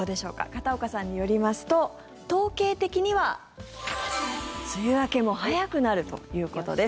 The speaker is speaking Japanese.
片岡さんによりますと統計的には梅雨明けも早くなるということです。